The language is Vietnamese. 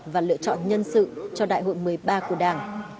và lựa chọn nhân sự cho đại hội một mươi ba của đảng